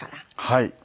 はい。